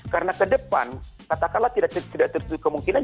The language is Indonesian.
karena ke depan katakanlah tidak terdiri kemungkinan